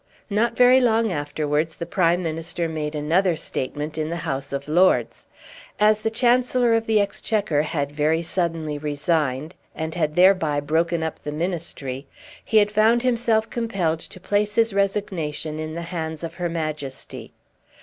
Not very long afterwards the Prime Minister made another statement in the House of Lords. As the Chancellor of the Exchequer had very suddenly resigned and had thereby broken up the Ministry, he had found himself compelled to place his resignation in the hands of her Majesty.